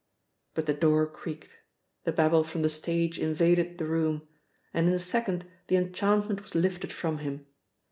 But the door creaked. The babble from the stage invaded the room. And in a second the enchantment was lifted from him.